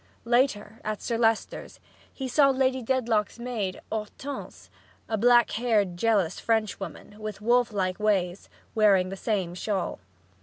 Later, at Sir Leicester's, he saw Lady Dedlock's maid, Hortense a black haired, jealous French woman, with wolf like ways wearing the same shawl.